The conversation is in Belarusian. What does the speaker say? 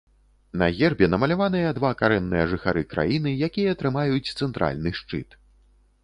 На гербе намаляваныя два карэнныя жыхары краіны, якія трымаюць цэнтральны шчыт.